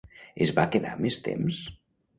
Es va quedar més temps?